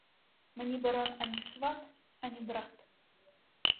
Мені барон ані сват, ані брат.